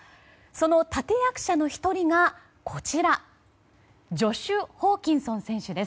その立役者の１人がジョシュ・ホーキンソン選手。